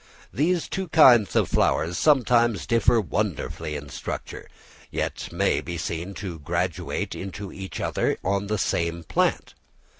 These two kinds of flowers sometimes differ wonderfully in structure, yet may be seen to graduate into each other on the same plant.